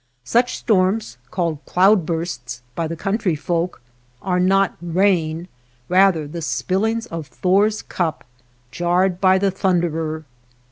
Such storms, called cloud bursts by the country folk, are not rain, rather the spillings of Thor's cup, jarred by the Thunderer.